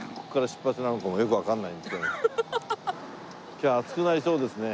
今日は暑くなりそうですね。